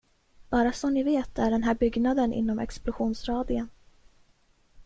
Bara så ni vet är den här byggnaden inom explosionsradien.